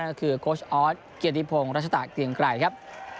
ก็คือโค้ชออสเกียรติพงศ์รัชตะเกียงไกรครับ